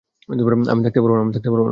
আমি থাকতে পারবো না!